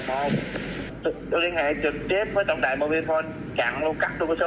một tôi liên hệ trực tiếp với tổng đài mobile phone chặn luôn cắt luôn cái số này của anh không